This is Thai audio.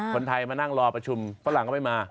คนไทยมานั่งรอประชุมฝรั่งก็ไม่มา